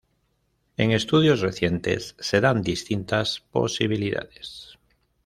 En estudios recientes se dan distintas posibilidades.